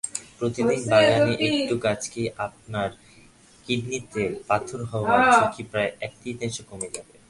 প্রতিদিন বাগানে একটু কাজেই আপনার কিডনিতে পাথর হওয়ার ঝুঁকি প্রায় এক-তৃতীয়াংশ কমে যাবে।